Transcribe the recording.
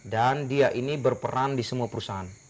dan dia ini berperan di semua perusahaan